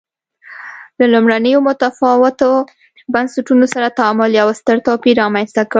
له لومړنیو متفاوتو بنسټونو سره تعامل یو ستر توپیر رامنځته کړ.